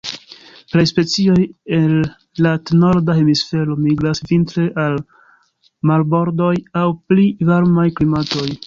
Plej specioj el lat norda hemisfero migras vintre al marbordoj aŭ pli varmaj klimatoj.